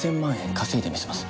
稼いでみせます。